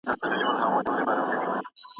معلم صاحب کولای سي زموږ پاڼه وړاندي کړي.